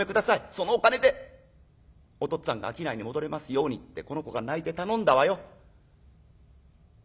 そのお金でおとっつぁんが商いに戻れますように』ってこの子が泣いて頼んだわよ」。